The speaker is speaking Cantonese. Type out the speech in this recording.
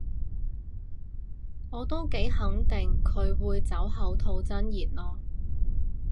我都幾肯定佢會酒後吐真言囉